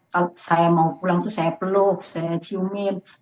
kalau saya mau pulang itu saya peluk saya ciumin